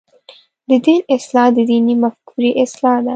د دین اصلاح د دیني مفکورې اصلاح ده.